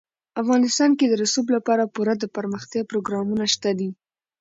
افغانستان کې د رسوب لپاره پوره دپرمختیا پروګرامونه شته دي.